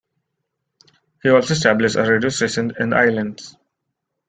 He also established a radio station in the islands.